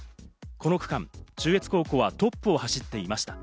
この区間、中越高校はトップを走っていました。